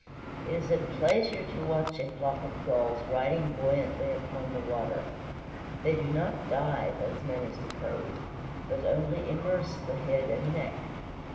It is a pleasure to watch a flock of Gulls riding buoyantly upon the water. They do not dive, as many suppose, but only immerse the head and neck.